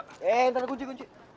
tidak saya akan menggunakan kunci